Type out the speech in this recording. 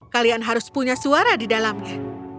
kalian harus punya suara di dalamnya